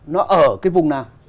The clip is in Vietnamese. nó ở cái vùng nào